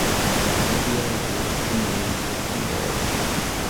Cornubia is the Latin name for Cornwall.